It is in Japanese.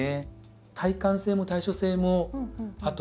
耐寒性も耐暑性もあとね